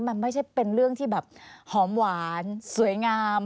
มันไม่ใช่เป็นเรื่องที่แบบหอมหวานสวยงาม